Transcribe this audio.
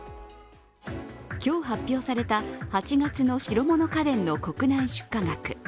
今日発表された８月の白物家電の国内出荷額。